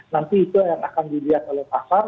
nanti itu yang akan dilihat oleh pasar